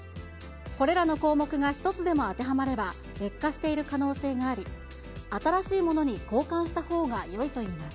これらの項目が一つでも当てはまれば、劣化している可能性があり、新しいものに交換したほうがよいといいます。